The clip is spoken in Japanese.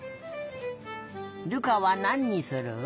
瑠珂はなんにする？